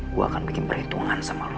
gue akan bikin perhitungan sama lo